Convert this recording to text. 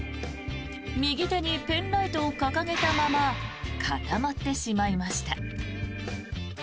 右手にペンライトを掲げたまま固まってしまいました。